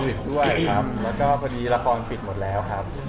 ก็มันช่วงโควิดด้วยครับแล้วก็พอดีละครปิดหมดแล้วครับ